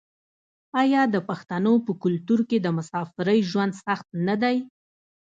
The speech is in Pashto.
آیا د پښتنو په کلتور کې د مسافرۍ ژوند سخت نه دی؟